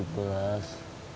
mau beli beras